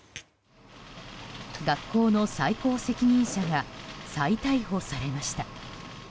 学校の最高責任者が再逮捕されました。